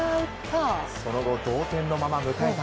その後、同点のまま迎えた